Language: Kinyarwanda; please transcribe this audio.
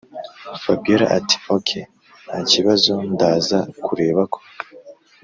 fabiora ati”okey ntakibazo ndaza kureba ko